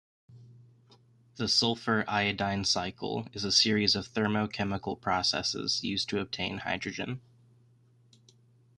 The sulfur-iodine cycle is a series of thermo-chemical processes used to obtain hydrogen.